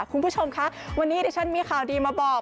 คุณผู้ชมคะวันนี้ดิฉันมีข่าวดีมาบอก